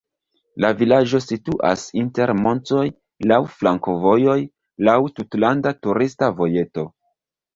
La vilaĝo situas inter montoj, laŭ flankovojoj, laŭ tutlanda turista vojeto.